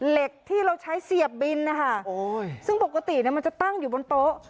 เหล็กที่เราใช้เสียบบินนะคะโอ้ยซึ่งปกติเนี่ยมันจะตั้งอยู่บนโต๊ะ